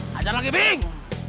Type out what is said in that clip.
hajar lagi bing